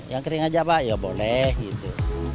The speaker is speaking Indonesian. yang kering aja pak ya boleh gitu